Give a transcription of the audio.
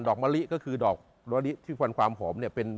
มะลิก็คือดอกมะลิที่ฟันความหอมเนี่ย